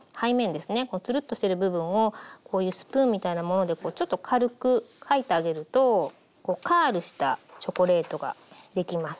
このツルッとしてる部分をこういうスプーンみたいなものでこうちょっと軽くかいてあげるとこうカールしたチョコレートができます。